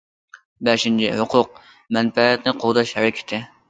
بەشىنچى، ھوقۇق- مەنپەئەتىنى قوغداش ھەرىكىتى.